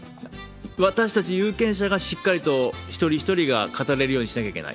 私たち有権者がしっかりと一人一人が語れるようにしなきゃいけない。